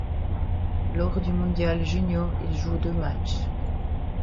Lors du mondial junior, il joue deux matchs.